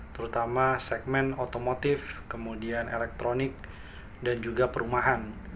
terutama segmen otomotif kemudian elektronik dan juga perumahan